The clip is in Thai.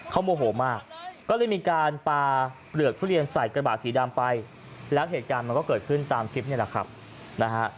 เขาโมโหมากก็เลยมีการปลาเปลือกทุเรียนใส่กระบาดสีดำไปแล้วเหตุการณ์มันก็เกิดขึ้นตามคลิปนี่แหละครับนะฮะ